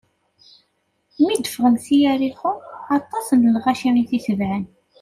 Mi d-ffɣen si Yariḥu, aṭas n lɣaci i t-itebɛen.